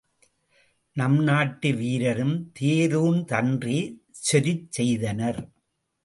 நம் நாட்டு வீரரும் தேரூர்ந்தன்றே செருச் செய்தனர்?